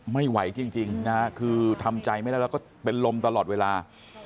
ไม่ไหวจริงนะฮะคือทำใจไม่ได้แล้วก็เป็นลมตลอดเวลา